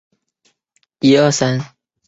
日本突腹蛛为拟态蛛科突腹蛛属的动物。